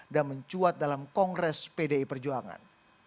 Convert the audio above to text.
dan mencuat dalam kongres pdi perjuangan